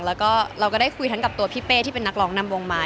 แล้วก็เราก็ได้คุยทั้งกับตัวพี่เป้ที่เป็นนักร้องนำวงมา